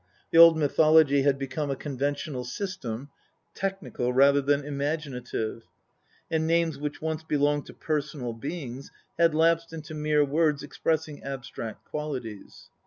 The old mythology had become a conventional system, technical rather than imaginative ; and names which once belonged to personal beings had lapsed into mere words expressing abstract qualities.